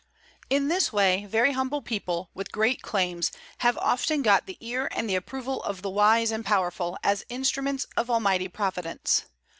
In this way very humble people, with great claims, have often got the ear and the approval of the wise and powerful, as instruments of Almighty Providence.